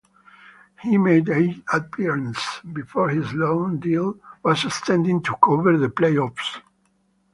He made eight appearances, before his loan deal was extended to cover the play-offs.